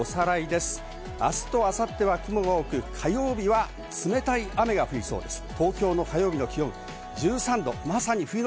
明日と明後日は雲が多く、火曜日は冷たい雨が降りそうです。